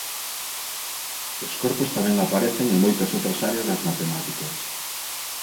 Os corpos tamén aparecen en moitas outras áreas das matemáticas.